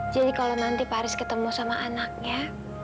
jadi kalau nanti pak haris ketemu sama anaknya